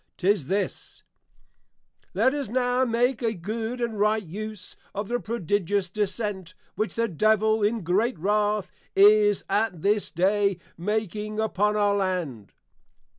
TIS THIS, Let us now make a good and a right use of the prodigious descent which the Devil in Great Wrath is at this day making upon our Land.